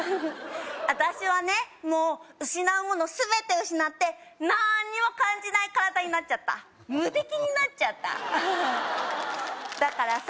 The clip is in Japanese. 私はねもう失うもの全て失ってなーんにも感じない体になっちゃった無敵になっちゃったアハハだからさ